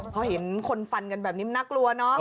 พอเห็นคนฟันกันแบบนี้มันน่ากลัวเนอะ